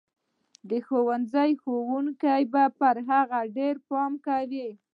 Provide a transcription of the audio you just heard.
د ښوونځي ښوونکي به پر هغه ډېر پام کوي.